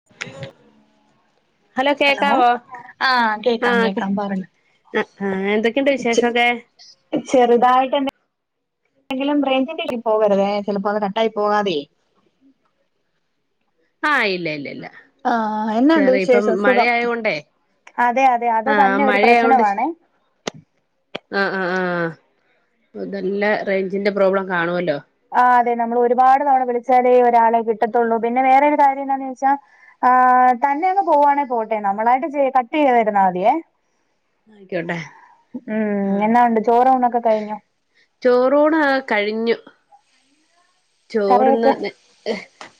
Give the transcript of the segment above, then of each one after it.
ഉ [unintelligible] ഹലോ ആഹ് കേക്കാം കേക്കാം പറഞ്ഞോ അഹ് ആ എന്തൊക്കെയുണ്ട് ചെ വിശേഷൊക്കെ ചെറുതായിട്ട് തന്നെ എന്തെങ്കിലും റേഞ്ചിന്റെ [inaudible] പോവരുതേ ചിലപ്പോൾ അത് കട്ടായി പോകാതെ ആഹ് ഇല്ല ഇല്ല ഇല്ല ആഹ് എന്നാണ്ട് ചെറിയ ഇപ്പം വിശേഷം സുഖം മഴയായോണ്ടേ അതെ അതെ അത് ആഹ് തന്നെ ഒരു മഴയായൊണ്ട് പ്രശ്നമാണേ ആഹ് ആഹ് ആഹ് നല്ല റേഞ്ചിന്റെ പ്രോബ്ലം കാണുവല്ലോ. ആഹ് അതെ നമ്മൾ ഒരുപാട് തവണ വിളിച്ചാലേ ഒരാളെ കിട്ടത്തുള്ളൂ പിന്നെ വേറെ ഒരു കാര്യം എന്താന്ന് ചോദിച്ചാൽ ആഹ് തന്നെ അങ്ങ് പോവാണെ പോട്ടെ നമ്മളായിട്ട് കട്ട് ചെയ്യാതിരുന്നാ മതിയേ ആയിക്കോട്ടെ ഉം ആഹ് എന്നാ ഉണ്ട് ചോറൂണൊക്കെ കഴിഞ്ഞോ ചോറൂണ് ആ കഴിഞ്ഞു ചോറ് ഇന്ന് കറിയൊക്കെ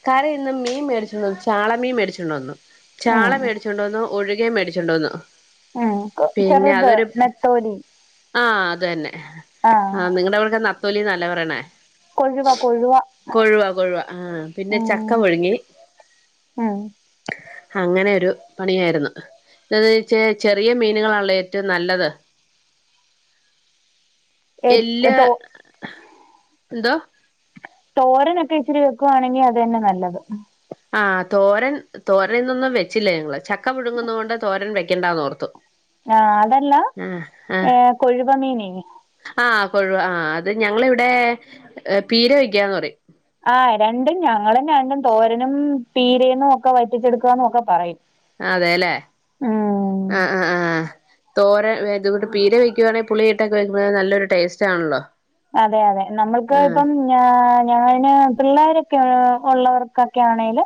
കറി ഇന്ന് മീൻ മേടിച്ചോണ്ട് വന്നു ചാള മീൻ മേടിച്ചോണ്ട് വന്നു ചാള ഉം മേടിച്ചോണ്ട് വന്നു ഒഴുകെയും മേടിച്ചോണ്ട് വന്നു ഉം ചെറുത് നെത്തോലി ആ അത് തന്നെ ആഹ് ആ നിങ്ങളുടെ അവിടെ ഒക്കെ നത്തോലി എന്നാല്ലേ പറയണേ കൊഴുവ കൊഴുവ കൊഴുവ കൊഴുവ ആ പിന്നെ ഉം ചക്ക പുഴുങ്ങി ഉം അങ്ങനെ ഒരു പണിയായിരുന്നു എന്താന്ന് വച്ചേ ചെറിയ മീനുകളാണല്ലോ ഏറ്റവും നല്ലത് ഏ എല്ല തോ എന്തോ തോരനൊക്കെ ഇച്ചിരി വെക്കുവാണെങ്കിൽ അത് തന്നെ നല്ലത് ആ തോരൻ തോരൻ ഇന്നൊന്നും വെച്ചില്ല ഞങ്ങള് ചക്ക പുഴങ്ങുന്നത് കൊണ്ട് തോരൻ വെക്കേണ്ട എന്നോർത്തു ആഹ് അതല്ല ഏ കൊഴുവ മീനേയ്നി ആഹ് കൊഴുവാ ആ അത് ഞങ്ങളിവിടെ പീര വയ്ക്കാന്ന് പറയും ആ രണ്ടും ഞങ്ങളും രണ്ടും തോരനും പീരയും ഒക്കെ വറ്റിച്ചെടുക്കുക എന്നൊക്കെ പറയും അതെല്ലേ ഉം ആ ആ ആ തോര ഇത പീരെ വെക്ക വെക്കുവാണെങ്കിൽ പുളി ഇട്ടൊക്കെ വെക്കുമ്പൊ നല്ലൊരു ടേസ്റ്റ് ആണല്ലോ അതെ അതെ നമ്മുക്ക് ആഹ് ഇപ്പം ഞാന് പിള്ളേരൊക്കെ ഉള്ളവർക്കൊക്കെ ആണേൽ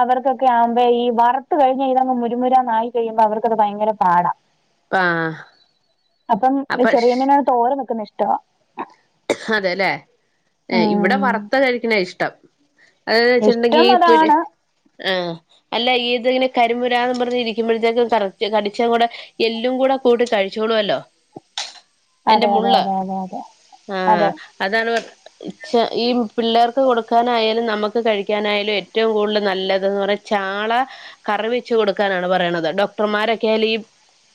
അവർക്കൊക്കെ ആവുമ്പോ ഈ വറുത്ത് കഴിഞ്ഞ ഇതങ്ങ് മുരുമുരാന്ന് ആയി കഴിയുമ്പോ അവർക്കത് ഭയങ്കര പാടാ ആഹ് അപ്പം അപ്പൊ ചെറിയ മീന് തോരൻ വെക്കുന്നത് ഇഷ്ട അതെല്ലേ ഏ ഇവിടെ ഉം വറുത്ത കഴിക്കണ ഇഷ്ടം അതന്ന് വെച്ചിട്ടുണ്ടെങ്കിൽ ഇഷ്ടം ഈ പുര് അതാണ് ആഹ് അല്ല ഇത്ങ്ങനെ കരിമുരാന്ന് പറഞ്ഞ് ഇരിക്കുമ്പഴത്തേക്കും കറക്റ്റ് കടിച്ചും കൂടെ എല്ലും കൂടെ കൂട്ടി കഴിച്ചോളുവല്ലോ അതെ അതിന്റെ അതെ അതെ അതെ അതെ അതെ അതാണ്പ ഈ പിള്ളേർക്ക് കൊടുക്കാനായാലും നമുക്ക് കഴിക്കാനായാലും ഏറ്റവും കൂടുതൽ നല്ലത്ന്ന് പറ ചാള കറിവച്ച് കൊടുക്കാനാണ് പറയണത് ഡോക്ടർമാരൊക്കെയാലും ഈ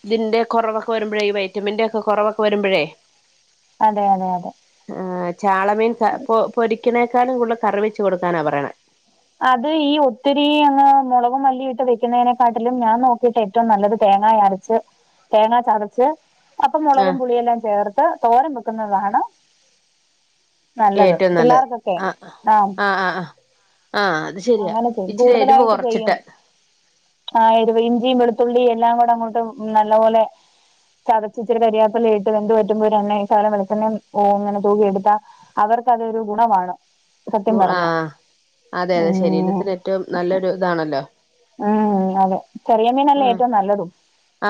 ഇതിന്റെ കൊറവൊക്കെ വരുമ്പോഴ ഈ വൈറ്റമിന്റെ ഒക്കെ കൊറവക്കെ വരുമ്പോഴേ അതെ അതെ അതെ ആ ചാളമീൻ ക പൊ പൊരിക്കനേക്കാളും കൂടുതൽ കറിവെച്ചു കൊടുക്കാനാ പറയണ അത് ഈ ഒത്തിരീം അങ്ങ് മുളകും മല്ലി ഇട്ട് വെക്കുന്നതിനെക്കാട്ടിലും ഞാൻ നോക്കീട്ടെ ഏറ്റവും നല്ലത് തേങ്ങ അരച്ച് തേങ്ങ ചതച്ച് അപ്പം മുളകും ആഹ് പുളിയെല്ലാം ചേർത്ത് തോരം വെക്കുന്നതാണ് നല്ലത് ഏറ്റവും നല്ലത് പിള്ളേർക്കൊക്കെ ആഹ് ആ ആഹ് ആഹ് ആഹ് ആഹ് അത് ശരിയാ അങ്ങനെ ഇച്ചിരി എരിവ് ചെങ്കൂടുതലായിട്ട് ചെയ്യും കൊറച്ചിട്ട് ആ എരിവ് ഇഞ്ചിയും വെളുത്തുള്ളി എല്ലാം കൂടെ അങ്ങോട്ട് നല്ല പോലെ ചതച്ച് ഇച്ചിരി കരിയാപ്പലേം ഇട്ട് വെന്ത് പറ്റുമ്പോൾ ഒര് എണ്ണ ശകലം വെളിച്ചെണ്ണ ഓ ഇങ്ങനെ തൂകിയെടുത്താ അവർക്കതൊരു ഗുണമാണ് സത്യം ഗു ആ പറഞ്ഞാ അതെ അതെ ഉം ശരീരത്തിന് ഏറ്റവും നല്ലൊരു ഇതാണല്ലോ ഉം അതെ ചെറിയ മീനല്ലേ ഏറ്റവും നല്ലതും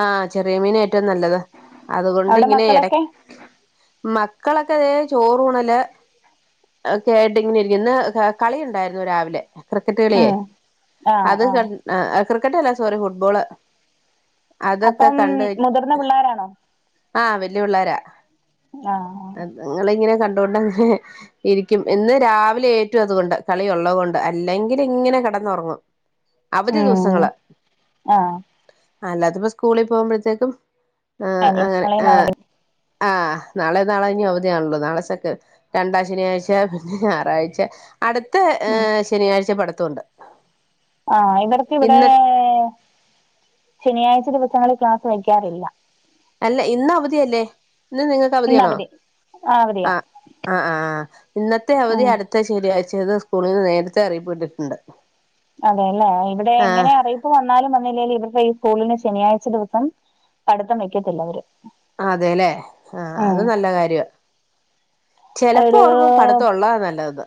ആ ചെറിയ മീൻ ഏറ്റവും നല്ലത് അതുകൊണ്ട് അവിടെ ഇങ്ങനെ ഇട മക്കളൊക്കെ മക്കളൊക്കെ അതെ ചോറൂണല് ക്കെയായിട്ട് ഇങ്ങനെ ഇരിക്കന്ന് ഇന്ന് കളിയുണ്ടായിരുന്നു രാവിലെ ക്രിക്കറ്റ് കളിയേ ഉം ആഹ് അത് ക ആഹ് ക്രിക്കറ്റ് അല്ല സോറി ഫുട്ബോള് അതൊക്കെ അപ്പം കണ്ട് മുതിർന്ന പിള്ളോരാണോ ആഹ് ആ നിങ്ങളിങ്ങനെ കണ്ടുകൊണ്ടങ്ങനെ ഇരിക്കും ഇന്ന് രാവിലെ ഏറ്റു അതുകൊണ്ട് കളി ഉള്ളത് കൊണ്ട് അല്ലെങ്കിൽ ഇങ്ങനെ കിടന്നുറങ്ങും അവധി ഉം ദിവസങ്ങള് ആഹ് അല്ലാത്തപ്പ സ്കൂളിൽ പോകുമ്പോഴത്തേക്കും ആ അനിയൻ അങ്ങനെ നാളെയും ആ നാളെ ആ നാളെ നാളെ കഴിഞ്ഞും അവധിയണല്ലോ നാളെ സെക്ക രണ്ടാം ശനിയാഴ്ച പിന്നെ ഞായറാഴ്ച അടുത്ത ഏ ഉം ശനിയാഴ്ച പഠിത്തണ്ട് ആ ഇവർക്ക് ഇവിടെ ശനിയാഴ്ച ദിവസങ്ങളിൽ ക്ലാസ്സ് വയ്ക്കാറില്ല അല്ല ഇന്ന് അവധിയല്ലേ ഇന്ന് നിങ്ങൾക്ക് ഇന്ന് അവധിയണോ അവധി ആഹ് അവധിയാ ആ ആ ആ ഇന്നത്തെ അവധി ഉം അടു ത്തശരിയച്ചന്ന് സ്കൂളിൽ നിന്ന് നേരത്തെ അറിയിപ്പ് വിട്ടിട്ടുണ്ട് അതെല്ലെ ഇവിടെ എങ്ങനെ അറിയി ഇപ്പ വന്നാലും വന്നില്ലേലും ഇവരുടെ ഈ സ്കൂളിന് ശനിയാഴ്ച ദിവസം പഠിത്തം വെക്കത്തില്ല അവര് അതെല്ലേ ആ ഉം അത് നല്ല കാര്യ ചെലപ്പം അതൊരു ഓർക്കും പഠിത്തം ഒള്ളതാ നല്ലത്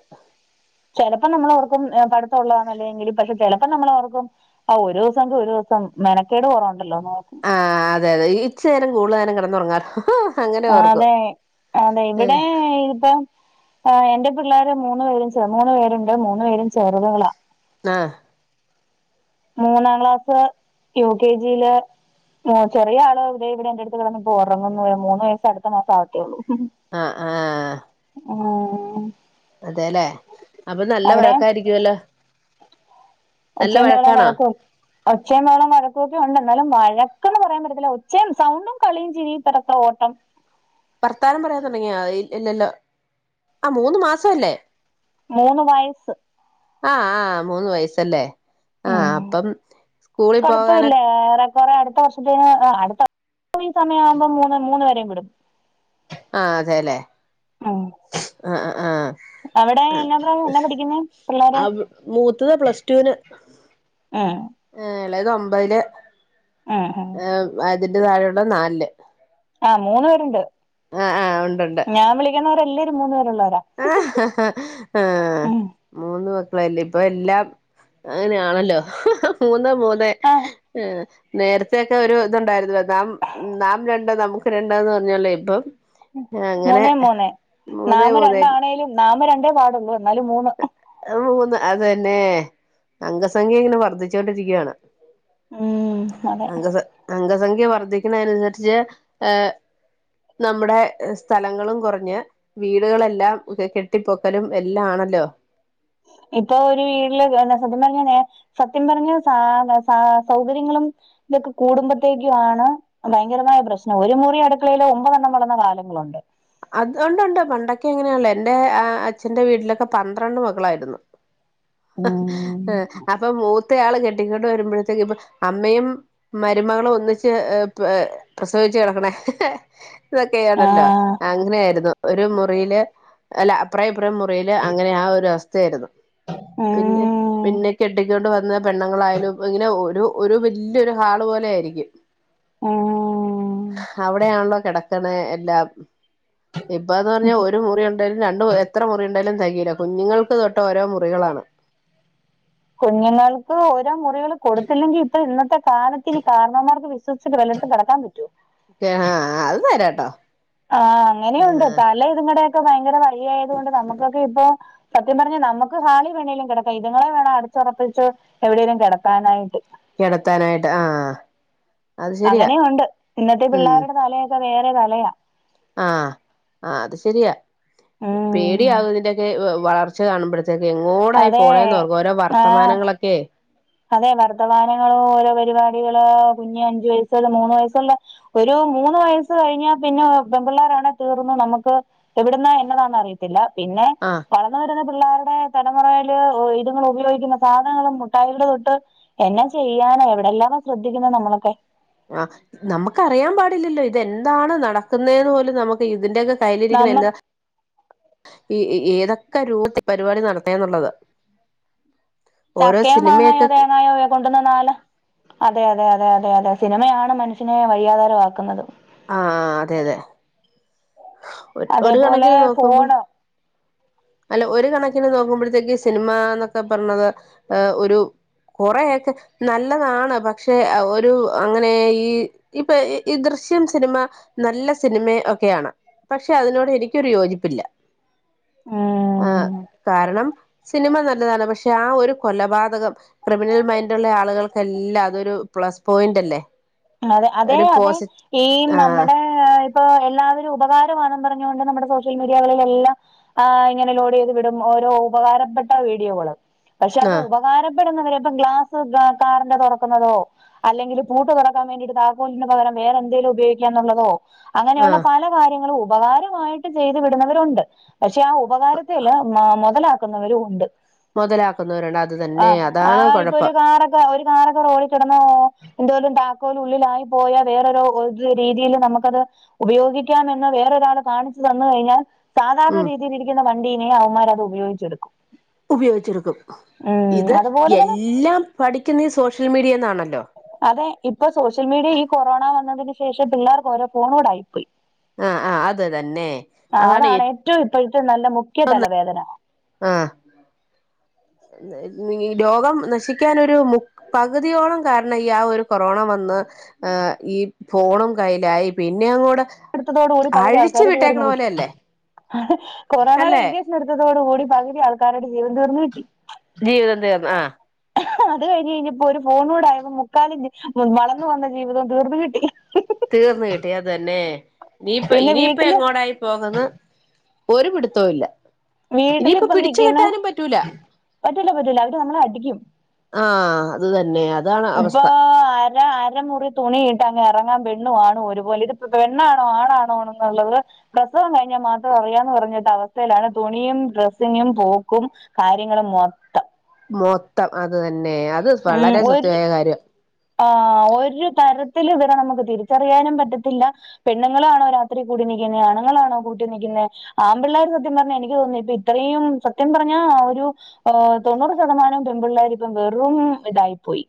ചെലപ്പം നമ്മളോർക്കും പഠിത്ത ഒള്ളതാനല്ലെയെങ്കില് പക്ഷെ ചെലപ്പം നമ്മളോർക്കും ആ ഒരു ദിവസംങ്കി ഒരു ദിവസം മെനക്കേട് കൊറവുണ്ടല്ലോ നോർക്കും ആഹ് അതെ അതെ ഇച്ചേരം കൂടുതല നോരം കിടന്നുറങ്ങാലേ ആന്നെ അതെ ഇവിടെ ഇപ്പ ആഹ് എന്റെ പിള്ളേര് മൂന്ന് പേരും മൂന്നു പേരുണ്ട് മൂന്നു പേരും ചെറുതകളാ ആഹ് മൂന്നാം ക്ലാസ് യു കെ ജിയില് അഹ് ചെറിയ ആൾ ദെ ഇവിടെ എന്റെറടുത്ത് കിടന്ന് ഇപ്പോ ഉറങ്ങുന്നു മൂന്ന് വയസ്സ് അടുത്ത മാസം ആവത്തേ ഉള്ളൂ ഉം ആഹ് ആഹ് ഉം അതെല്ലെ അപ്പൊ നല്ല അവിടെ വഴക്കായിരിക്കുവല്ലോ നല്ല ഒച്ചയം ബഹളും വഴക്കാണോ വഴക്കും ഒച്ചയും ബഹളം വഴക്കൊക്കെ ഉണ്ട് എന്നാലും വഴക്കന്ന് പറയാൻ പറ്റത്തില്ല ഒച്ചയും സൗണ്ടും കളിയും ചിരിയും ഇടത്ത ഓട്ടം വർത്താനം പറയാൻ തുടങ്ങിയാ ഇല്ലല്ലോ ആഹ് മൂന്ന് മാസം അല്ലേ മൂന്ന് വയസ്സ് ആഹ് ആഹ് മൂന്ന് വയസല്ലേ ആഹ് ഉം അപ്പം സ്കൂളിൽ പോകാനൊ കൊറെ അടുത്ത വർഷത്തെന് അടുത്ത ഈ സമയം ആവുമ്പോ മൂന്ന് മൂന്ന് വെരയും വിടും ആഹ് അതെല്ലേ ഉം ആഹ് അഹ് അവിടെ ആഹ് എന്നാ പ്ര എന്നാ പഠിക്കുന്നേ പിള്ളേര് ആഹ് മൂത്തത് പ്ലസ്റ്റൂന് ആഹ് ആഹ് എളെത് ഒമ്പതില് ആഹ് അതിന്റെ താഴെയുള്ളത് നാലില് ആഹ് മൂന്ന പേരുണ്ട് ആഹ് ആഹ് ഉണ്ടുണ്ട് ഞാൻ വിളിക്കുന്നവരെല്ലരും മൂന്ന് പേരുള്ളവരാ ആഹ് ഹ ഹാ ആഹ് ഉം മൂന്ന് മക്കളല്ലേ ഇപ്പൊ എല്ലാം അങ്ങനെയാണല്ലോ മൂന്ന് മൂന്നേ ആ ഹ് നേരത്തൊക്കെ ഒരു ഇതുണ്ടായിരുന്നു നാം നാം രണ്ട് നമുക്ക് രണ്ട്ന്ന് പറഞ്ഞൊലയ ഇപ്പം അങ്ങനെ മൂന്നേ മൂന്നേ മൂന്നേ നാമ് മൂന്നേ രണ്ടാണേലും നാമ് രണ്ടേ പാടുള്ളൂ എന്നാലും മൂന്ന് മൂന്ന് അതന്നെ അംഗസംഖ്യ ഇങ്ങനെ വർദ്ധിച്ചോണ്ടിരിക്കയാണ് ഉം അതെ അം അംഗസംഖ്യ വർധിക്കുന്ന അനുസരിച്ച് ഏർ നമ്മുടെ സ്ഥലങ്ങളും കൊറഞ്ഞ് വീടുകളെല്ലാം കെട്ടിപ്പൊക്കലും എല്ലാ ആണല്ലോ ഇപ്പൊ ഒരു വീട്ടില് നസത്യം പറഞ്ഞാ സത്യം പറഞ്ഞ സ സ സൗകര്യങ്ങളും ഇതൊക്കെ കൂടുമ്പോഴത്തേക്കും ആണ് ഭയങ്കരമായ പ്രശ്നം ഒരു മുറി അടുക്കളയില് ഒമ്പതണ്ണം വളർന്ന കാലങ്ങളുണ്ട് അത് ഉണ്ട് ഉണ്ട് പണ്ടൊക്കെ അങ്ങനെയണല്ലോ എൻറെ അച്ഛന്റെ വീട്ടിലൊക്കെ പന്ത്രണ്ട് മക്കളായിരുന്നു ഉം ആഹ് അപ്പൊ മൂത്ത ആൾ കെട്ടിക്കൊണ്ട് വരുമ്പോഴത്തേക്ക് ഇപ്പൊ അമ്മയും മരുമകളും ഒന്നിച്ച് പ പ്രസവിച്ചു കിടക്കണേ ഇതൊക്കെയാണല്ലോ ആഹ് അങ്ങനെ ആയിരുന്നു ഒരു മുറിയില് അല്ല അപ്ര ഇപ്രേ മുറിയില് അങ്ങനെ ആഹ് ഒരു അവസ്ഥായിരുന്നു പിന്നെ ഉം പിന്നെ കെട്ടിക്കൊണ്ട് വന്ന പെണ്ണങ്ങളായാലും ഇപ്പ ഇങ്ങനെ ഒരു ഒരു വലിയ ഒരു ഹാള് പോലെ ആയിരിക്കും ഉം അവിടെയാണല്ലോ കിടക്കണ എല്ലാം ഇപ്പ ന്ന് പറഞ്ഞാൽ ഒരു മുറി ഉണ്ടെലും രണ്ട് എത്ര മുറി ഉണ്ടെലും തെകീല കുഞ്ഞുങ്ങൾക്ക് തൊട്ട് ഓരോ മുറികളാണ് കുഞ്ഞുങ്ങൾക്ക് ഓരോ മുറികൾ കൊടുത്തില്ലെങ്കിൽ ഇപ്പൊ ഇന്നത്തെ കാലത്തിൽ ഈ കാരണവന്മാർക്ക് വിശ്വസിച്ച് വല്ലിടത്തും കെടക്കാൻ പറ്റൊ ആഹ് ആഹ് അത് നെരാട്ടോ ആഹ് എല്ല ഇതും കൂടെയൊക്കെ ഭയങ്കര വല്ലിയായത് കൊണ്ട് നമുക്കൊക്കെ ഇപ്പൊ സത്യം പറഞ്ഞാ നമുക്ക് ഹാളിൽ വെണേലും കെടക്ക ഇത്ങ്ങളെ വേണം അട ഒറപ്പിച്ച് എവിടെങ്കിലും കെടത്താനായിട്ട് കെടത്താനായിട്ട് ആഹ് അത് ശരിയാ അങ്ങനെം ഉണ്ട് ഇന്നത്തെ ഉം പിള്ളേരുടെ തലയൊക്കെ വേറെ തലയാ ആ്ഹ് ആ അത് ശരിയാ ഉം പേടിയാവും ഇതിന്റെക്കെ വെ വളർച്ച കാണുമ്പോഴത്ത ത്തേക്കും എങ്ങോടാ ഈ അതെ പോണേന്നൊർക്കും ഓരോ ആഹ് വർത്തമാനങ്ങളൊക്കെ അതെ വർത്തമാനങ്ങളും ഓരോ പരിപാടികള് കുഞ്ഞ് അഞ്ചു വയസുള്ള മൂന്ന് വയസ്സുള്ള ഒരു മൂന്ന് വയസ്സ് കഴിഞ്ഞാ പിന്നെ പെൺപിള്ളോരാണ തീർന്ന് നമുക്ക് ഇവിട്ന്ന് എങ്ങനെയാണ് അറിയത്തില്ല പിന്നെ ആഹ് വള രുന്ന പിള്ളേരുടെ തലമുറൽ ഇതുങ്ങൾ ഉപയോഗിക്കുന്ന സാധനങ്ങളും മുട്ടായി എന്ന ചെയ്യാനോ എവിടെയെല്ലാ ശ്രദ്ധിക്കുന്നത് നമ്മളൊക്കെ ആഹ് നമുക്കറിയാൻ പാടില്ലല്ലോ ഇതെന്താണ് നടക്കുന്നന്ന് പോലും നമുക്ക് ഇതിന്റെക്കെ കയ്യിലിരിക്കണ നമ്മ എന്നാ ഈ ഈ ഏതൊക്കെ രൂപത്തിൽ പരിപാടി നടന്നെ എന്നുള്ളത ചക്കയൊ മാങ്ങായോ സിനിമയൊക്കെ തേങ്ങായോ കൊണ്ട്ന്ന് ന്നലെ, അതെയതെ അതെയതെയതെ സിനിമയാണ് മനുഷിനെ വഴിയാധാരമാക്കുന്നതും ആഹ് അതെ അതെ ഒര് ഒരു അതേപോലെ കണക്കിന് നോക്കുമ്പോ ഫോണ് അല്ല ഒരു കണക്കിന് നോക്കുമ്പോഴത്തേക്ക് സിനിമ എന്നൊക്കെ പറഞ്ഞത് ഒരു കൊറെയൊക്കെ നല്ലതാണ് പക്ഷെ ഒരു അങ്ങനെ ഈ ഇപ്പൊ ഈ ദൃശ്യം സിനിമ നല്ല സിനിമ ഒക്കെയാണ് പക്ഷെ അതിനോട് എനിക്കൊരു യോജിപ്പില്ല ആഹ് ഉം കാരണം സിനിമ നല്ലതാണ് പക്ഷെ ആഹ് ഒരു കൊലപാതകം ക്രിമിനൽ മൈൻഡ ഉള്ള ആളുകൾക്കെല്ലാം അതൊരു പ്ലസ് പോയിന്റ് അല്ലേ അതെ അതെ ഒരു അതെ പോസിറ്റീവ് ഈ ആഹ് നമ്മുടെ ഇപ്പോ എല്ലാവരും ഉപകാരമാണെന്ന് പറഞ്ഞുകൊണ്ട് നമ്മുടെ സോഷ്യൽ മീഡിയകളിൽ എല്ലാം അഹ് ഇങ്ങനെ ലോഡ് ചെയ്ത് വിടും ഓരോ ഉപകാരപ്പെട്ട വീഡിയോകള് പക്ഷെ അത് ആഹ് ഉപകാരപ്പെടുന്നവരെ ഇപ്പം ഗ്ലാസ് കാറ്ന്റെ തുറക്കുന്നതോ അല്ലെങ്കിൽ പൂട്ട് തുറ തുറക്കാൻ വേണ്ടിട്ട് താക്കോലിന് പകരം വേറെന്തലും ഉപയോഗിക്കാ എന്നുള്ളതോ അങ്ങനെയുള്ള ആഹ് പല കാര്യങ്ങളും ഉപകാര മായിട്ട് ചെയ്ത് വിടുന്നവരുണ്ട് പക്ഷെ ആ ഉപകാരത്തില്ൽ മ മുതലാക്കുന്നവരും ഉണ്ട് മുതലാക്കുന്നവരുണ്ട് അത് തന്നെ ആഹ് അതാണ് ആഹ് ഇപ്പൊ ഒരു കുഴപ്പം കാറൊക്കെ ഒരു കാറോക്കെ റോഡികേട്ന്നോ എന്തോലും താ ക്കോലിന് ഉള്ളിലായി പോയാ വേറൊരു രീതിൽ നമുക്കത് ഉപയോഗിക്കാന്ന് വേറൊരാള് കാണിച്ചു തന്ന കഴിഞ്ഞാൽ സാധാരണ ഉം രീതിൽ ഇരിക്കുന്ന വണ്ടീനെ അവന്മാര് അത് ഉപയോഗിച്ചെടുക്കും ഉപയോഗിച്ചടുക്കും ഉം ഇത് അതുപോലെ തന്നെ എല്ലാം പഠിക്കുന്ന സോഷ്യൽ മീഡിയന്നാണല്ലോ അതെ ഇപ്പൊ സോഷ്യൽ മീഡിയ ഈ കൊറോണ വന്നതിന് ശേഷം പിള്ളേർക്ക് ഓരോ ഫോൺ കൂടെ ആയിപ്പോയി ആഹ് ആഹ് അത് തന്നെ അതാണ് ഏറ്റവും ഇപ്പോഴത്തെ നല്ല മുഖ്യ തലവേദന അഹ് ലോകം നശിക്കാൻരു മു പകുതിയോളം കാരണം ഈ ആ ഒരു കൊറോണ വന്ന് ആഹ് ഈ ഫോണും കൈയ്യിലായി പിന്നെ അങ്ങോടെ എടുത്തോടടെ ഒര് പകുതി ആൾക്കാർ തീർന്ന കൊറോണടെ അല്ലേ ഇന്ത്യ എടുത്തോട്കൂടി പകുതി ആൾക്കാരുടെ ജീവൻ തീർന് കിട്ടി ജീവിതം തീർന്ന് ആഹ് അത് കഴിഞ്ഞ് കഴിഞ്ഞപ്പോ ഒരു ഫോണൂടെ ആയപ്പോ മുക്കാലി വളന്നു വന്ന ജീവിതവും തീർന്ന് കിട്ടി തീർന്ന് കിട്ടി അത് തന്നെ ഇനീപ്പോ പിന്നെ ഇനിയിപ്പ വീട്ടില് എങ്ങോടായി പോകുന്ന് ഒരു പിടുത്തോം ഇല്ലാ വീട്ടിലിപ്പൊ നിക്കുന്ന പറ്റൂല്ലാ പറ്റൂല്ലാ അവര് നമ്മളെ അടിക്കും. ആഹ് അത് തന്നെ അത് ഇപ്പോ ആ അരമുറി തുണിയിട്ട് അങ്ങ് എറങ്ങാൻ പെണ്ണും ആണും ഒരു പോലെ ഇത് പെണ്ണാണോ ആണാണോ എന്നുള്ളത് പ്രസവം കഴിഞ്ഞാ മാത്രം അറിയാന്ന് പറഞ്ഞിട്ട അവസ്ഥയിലാണ് തുണിയും ഡ്രസ്സിങ്ങും പോക്കും കാര്യങ്ങള് മൊത്തം മൊത്തം അത് തന്നെ അത് ഉം വളരെ ഒരു സത്യമായ കാര്യവാ ആഹ് ഒരു തരത്തിലും ഇവരെ നമ്മക്ക് തിരിച്ചറിയാനും പറ്റത്തില്ലാ പെണ്ണുങ്ങളാണോ രാത്രി കൂടി നിക്കുന്നേ അണുങ്ങളാണോ കൂട്ടി നിക്കുന്നേ ആൺ പിള്ളേര് സത്യം പറഞ്ഞാ എനിക്ക് തോനുന്നു ഇപ്പ ഇത്രയും സത്യം പറഞ്ഞാ ഒരു ഏഹ് തൊണ്ണൂറ് ശതമാനം പെൺപിള്ളേരും ഇപ്പം വെറും ഇതായി പോയി.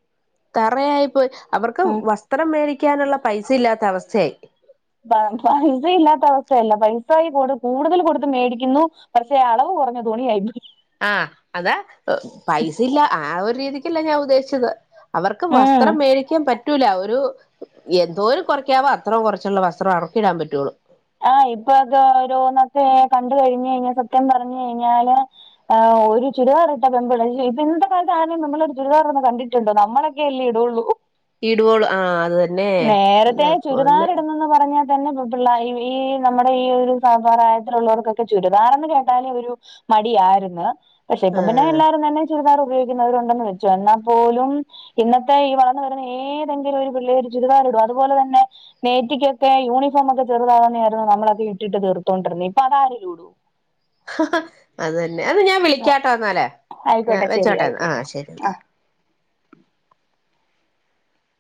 തറയായിപ്പോയി അവർക്ക് ഉം വസ്ത്രം മേടിക്കാനുള്ള പൈസ ഇല്ലാത്ത അവസ്ഥയായി. പ പൈസ ഇല്ലാത്ത അവസ്ഥയല്ലാ പൈസായി കൂടുതൽ കൊടുത്ത് മേടിക്കുന്നു പക്ഷേ അളവ് കൊറഞ്ഞ തുണിയായിപ്പോയി ആഹ് അതാ പൈസ ഇല്ലാ ആ ഒരു രീതിക്കല്ലാ ഞാൻ ഉദ്ദേശിച്ചത്. അവർക്ക് ഉം വസ്ത്രം മേടി ക്കാൻ പറ്റൂലാ ഒരു എന്തോരം കൊറയ്ക്കാവോ അത്രോം കൊറച്ചുള്ള വസ്ത്രം അവർക്കിടാൻ പറ്റോള്ളൂ. ആഹ് ഇപ്പൊ അത് ഓരോന്നൊക്കെ കണ്ട് കഴിഞ്ഞ് കഴിഞ്ഞാ സത്യം പറഞ്ഞ് കഴിഞ്ഞാല് ആഹ് ഒരു ചുരിദാറ് ഇട്ട പെമ്പ്ള്ളേ ഇയ്യോ ഇപ്പ ഇന്നത്തെ കാലത്ത് ആരേലും പെമ്പിള്ളേര് ചുരിദാറിടുന്നെ കണ്ടി ട്ട്ണ്ടോ നമ്മളെക്കെ അല്ലേ ഇടുള്ളൂ. ഇടുവോളൂ ആഹ് അത് തന്നെ നേരത്തെ എന്റെ ചുരിദാറ് പൊന്നെ ഇടുന്നെന്ന് പറഞ്ഞാ തന്നെ പ് പിള്ളാ ഈ ഈ നമ്മടെ ഈ ഒരു സമ പ്രായയത്തിലുള്ളവർക്കൊക്കെ ചുരിദാറേന്ന് കേട്ടാലെ ഒരു മടിയാരുന്ന് പക്ഷെ ഇപ്പൊ പിന്നെ ആഹ് എല്ലാരും തന്നെ ചുരിദാറ് ഉപയോഗിക്കുന്നവരുണ്ടെന്ന് വെച്ചോ എന്നാ പോലും ഇന്നത്തെ ഈ വളർന്ന് വരുന്ന ഏതെങ്കിലും ഒരു പിള്ളേര് ഒരു ചുരിദാറ് ഇടുവോ അതുപോലെ തന്നെ നേറ്റിക്കൊക്കെ യൂണിഫോമൊക്കെ ചെറ്താകുന്നയായിരുന്നു നമ്മളൊക്കെ ഇട്ടിട്ട് തീർത്തോണ്ടിരുന്നെ ഇപ്പോ അതാരേലും ഇടുവോ അത് തന്നെ അന്നാ ഞാൻ വിളിക്കാട്ടോ എന്നാല് ഞാൻ ആയിക്കോട്ടെ ശരി വെച്ചോട്ടെ എന്നാ ആയിക്കോട്ടെ ആഹ് ശരിയെന്നാ.